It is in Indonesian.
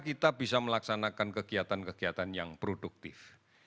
kita bisa melaksanakan kegiatan kegiatan yang produktif